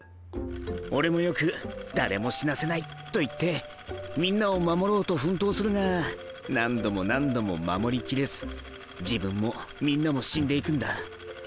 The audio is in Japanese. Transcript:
俺もよく「誰も死なせない！」と言ってみんなを守ろうと奮闘するが何度も何度も守りきれず自分もみんなも死んでいくんだ。